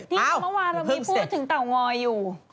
เมื่อวานเรามีพูดถึงเตางอยอยู่